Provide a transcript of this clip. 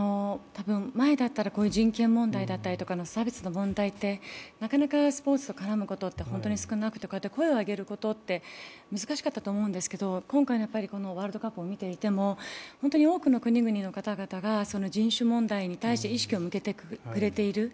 前だったら人権問題だったり差別の問題ってなかなかスポーツと絡むことって少なくてこうやって声を上げることって難しかったと思うんですけど、今回のワールドカップを見ていても多くの国々の方々が人種問題に対して意識を向けてくれている。